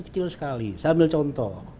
kecil sekali sambil contoh